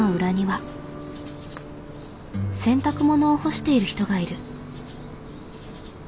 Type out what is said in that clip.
洗濯物を干している人がいる。